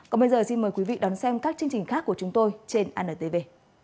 còn bây giờ xin mời quý vị đón xem các chương trình khác của chúng tôi trên antv